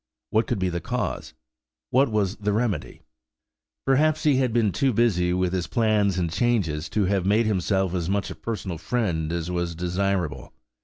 What could be the cause? What was the remedy? Perhaps he had been too busy with his plans and changes to have made himself as much a personal friend as was desirable.